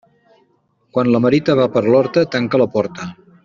Quan la merita va per l'horta, tanca la porta.